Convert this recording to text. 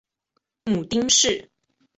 母丁氏。